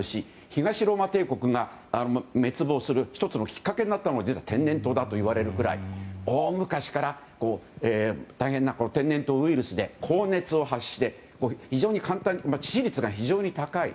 東ローマ帝国が滅亡する１つのきっかけになったのは実は天然痘だといわれるぐらい大昔から大変な天然痘ウイルスで高熱を発して致死率が非常に高い。